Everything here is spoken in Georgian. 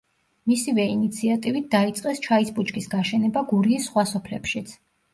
მისივე ინიციატივით დაიწყეს ჩაის ბუჩქის გაშენება გურიის სხვა სოფლებშიც.